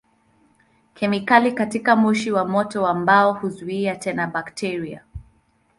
Kemikali katika moshi wa moto wa mbao huzuia tena bakteria.